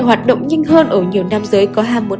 hoạt động nhanh hơn ở nhiều nam giới có ham muốn